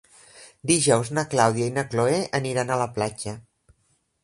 Dijous na Clàudia i na Cloè aniran a la platja.